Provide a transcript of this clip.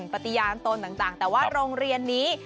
ปฏิญาณตนต่างแต่ว่าโรงเรียนนี้